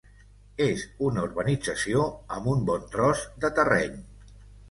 És una urbanització amb un bon tros de terreny.